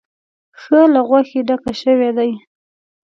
ښه له غوښې ډک شوی دی.